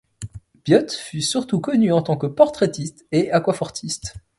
Biot fut surtout connu en tant que portraitiste et aquafortiste.